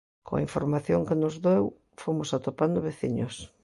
Coa información que nos deu fomos atopando veciños.